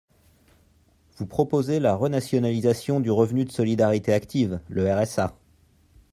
Vous proposez la renationalisation du revenu de solidarité active, le RSA.